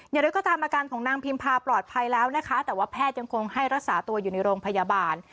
อย่างไรก็ตามอาการของนางพิมพาปลอดภัยแล้วนะคะแต่ว่าแพทย์ยังคงให้รักษาตัวอยู่ในโรงพยาบาล